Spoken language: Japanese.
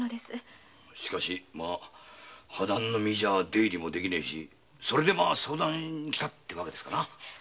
破談の身じゃ出入りもできねえしそれで相談に来たって訳ですな。